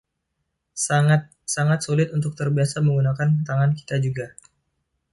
Sangat, sangat sulit untuk terbiasa menggunakan tangan kita juga.